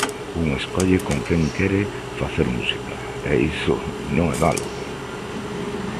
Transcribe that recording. Un escolle con quen quere facer música e iso non é malo.